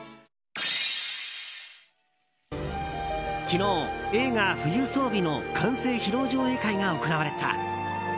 昨日、映画「冬薔薇」の完成披露上映会が行われた。